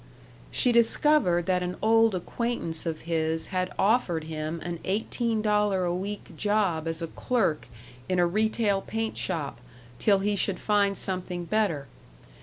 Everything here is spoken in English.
She discovered that an old acquaintance of his had offered him an eighteen dollar a week job as a clerk in a retail paint shop, till he should find something better.